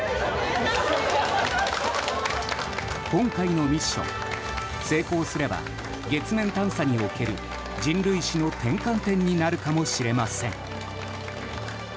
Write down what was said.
今回のミッション、成功すれば月面探査における人類史の転換点になるかもしれません。